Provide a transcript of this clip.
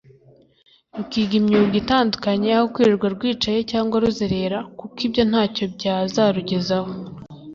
rukiga imyuga itandukanye aho kwirirwa rwicaye cyangwa ruzerera kuko ibyo ntacyo byazarugeza ho